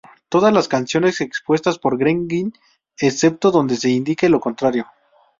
Todas las canciones compuestas por Greg Ginn, excepto donde se indique lo contrario.